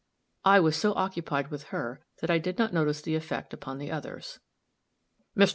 I was so occupied with her that I did not notice the effect upon the others. "Mr.